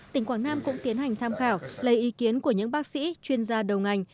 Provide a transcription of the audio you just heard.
tỉnh quảng nam cũng tiến hành tham khảo lấy ý kiến của những bác sĩ chuyên gia đầu ngành